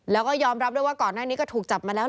แล้วก็ยอมรับด้วยว่าก่อนหน้านี้ก็ถูกจับมาแล้ว